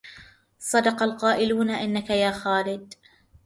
صدق القائلون إنك يا خالد